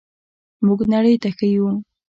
موږ نړۍ ته ښیو.